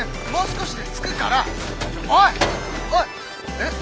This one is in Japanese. えっ？